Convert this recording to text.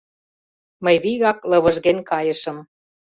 Мый вигак лывыжген кайышым.